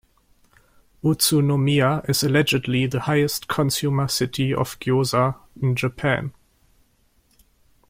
Utsunomiya is allegedly the highest consumer city of gyoza in Japan.